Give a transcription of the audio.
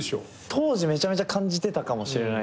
当時めちゃめちゃ感じてたかも。